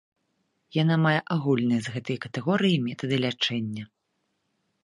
Яна мае агульныя з гэтай катэгорыяй метады лячэння.